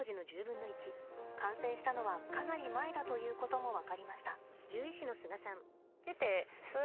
感染したのはかなり前だということも分かりました。